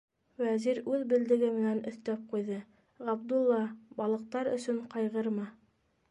Вәзир үҙ белдеге менән өҫтәп ҡуйҙы: Ғабдулла, балыҡтар өсөн ҡайғырма.